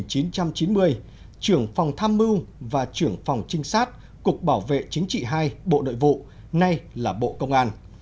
từ tháng sáu năm một nghìn chín trăm tám mươi bảy đến tháng sáu năm một nghìn chín trăm chín mươi trưởng phòng tham mưu và trưởng phòng trinh sát cục bảo vệ chính trị ii bộ nội vụ nay là bộ công an